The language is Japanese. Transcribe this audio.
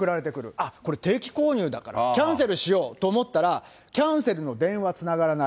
あっ、これ定期購入だから、キャンセルしようと思ったら、キャンセルの電話つながらない、